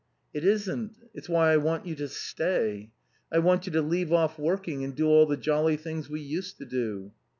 "It isn't. It's why I want you to stay. I want you to leave off working and do all the jolly things we used to do."